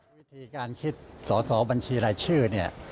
วิธีการคิดสอบัญชีรายชื่อ